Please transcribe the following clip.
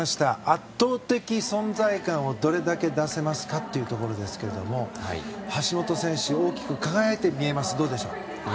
圧倒的存在感をどれだけ出せますかというところですが橋本選手大きく輝いて見えますどうでしょう。